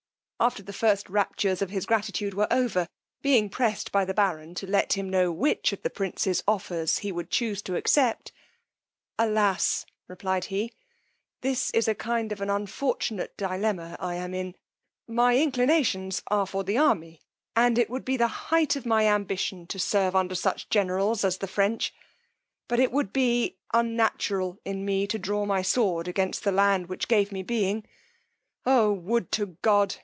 After the first raptures of his gratitude were over, being pressed by the baron to let him know which of the prince's offers he would chuse to accept; alas! replied he, this is a kind of an unfortunate dilemma I am in; my inclinations are for the army, and it would be the height of my ambition to serve under such generals as the French; but it would be unnatural in me to draw my sword against the land which gave me being: O would to God!